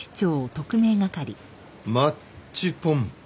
マッチポンプ？